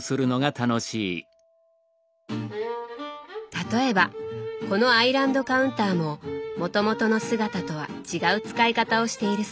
例えばこのアイランドカウンターももともとの姿とは違う使い方をしているそうです。